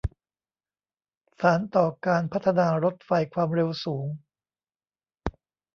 สานต่อการพัฒนารถไฟความเร็วสูง